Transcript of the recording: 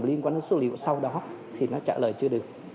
liên quan đến số liệu sau đó thì nó trả lời chưa được